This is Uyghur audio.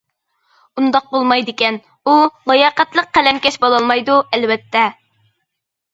ئۇنداق بولمايدىكەن ئۇ لاياقەتلىك قەلەمكەش بولالمايدۇ، ئەلۋەتتە.